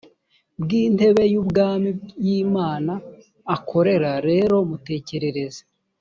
bw intebe y ubwami y imana a koko rero mutekereze